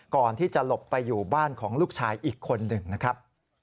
ก่อนที่จะหลบไปอยู่บ้านของลูกชายอีกคนหนึ่งนะครับ